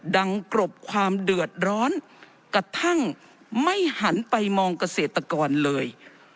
กรบความเดือดร้อนกระทั่งไม่หันไปมองเกษตรกรเลย